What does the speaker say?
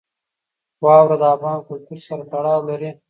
واوره د افغان کلتور سره تړاو لري.